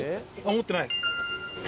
持ってないです。